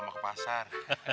mau ke pasar